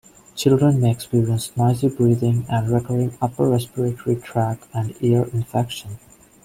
Children may experience noisy breathing and recurring upper respiratory tract and ear infections.